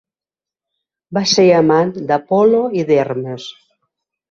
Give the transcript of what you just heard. Va ser amant d'Apol·lo i d'Hermes.